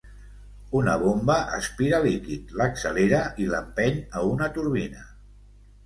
Una bomba aspira líquid, l'accelera i l'empeny a una turbina.